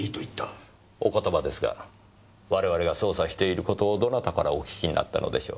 お言葉ですが我々が捜査している事をどなたからお聞きになったのでしょう？